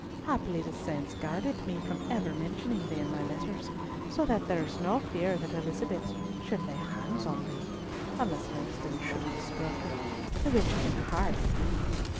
Happily the saints guarded me from ever mentioning thee in my letters, so that there is no fear that Elizabeth should lay hands on thee, unless Langston should have spoken—the which can hardly be.